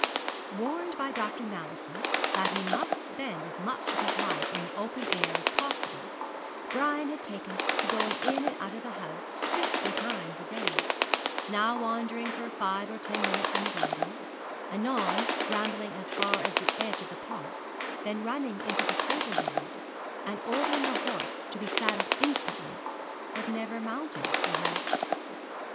Warned by Dr. Mallison that he must spend as much of his life in the open air as possible, Brian had taken to going in and out of the house fifty times a day, now wandering for five or ten minutes in the garden, anon rambling as far as the edge of the park, then running into the stable yard, and ordering a horse to be saddled instantly, but never mounting the horse.